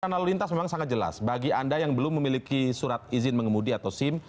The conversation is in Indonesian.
lalu lintas memang sangat jelas bagi anda yang belum memiliki surat izin mengemudi atau sim